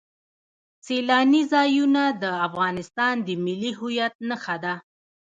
سیلانی ځایونه د افغانستان د ملي هویت نښه ده.